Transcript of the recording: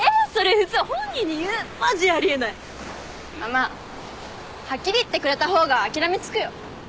まあはっきり言ってくれた方が諦めつくよ。